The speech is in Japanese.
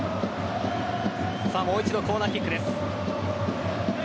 もう一度コーナーキックです。